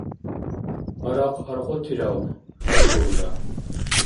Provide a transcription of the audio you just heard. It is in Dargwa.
— Гьарахъ аркьутирав? — хьарбиулра.